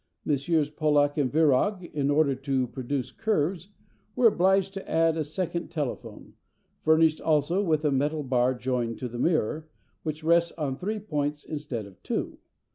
Messrs. Pollak and Virag, in order to produce curves, were obliged to add a second telephone, furnished also with a metal bar joined to the mirror, which rests on three points instead of on two.